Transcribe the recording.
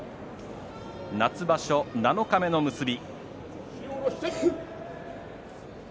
夏場所七日目の結び。